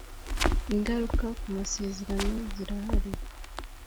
ingaruka kumasezerano zirahari.